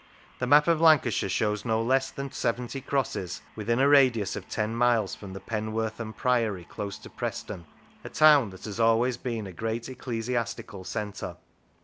The map of Lancashire shows no less than seventy crosses within a radius of ten miles from Penwortham Priory, close to Preston, a town that has always been a great ecclesiastical centre.